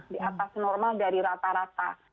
di atas normal dari rata rata